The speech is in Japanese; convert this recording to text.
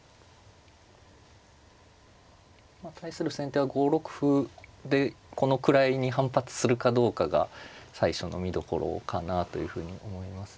対する先手は５六歩でこの位に反発するかどうかが最初の見どころかなというふうに思いますね。